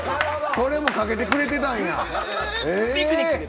それもかけてくれてたんや。